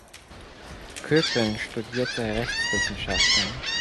Koeppen studierte Rechtswissenschaften.